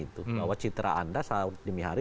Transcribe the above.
itu bahwa citra anda saat demi hari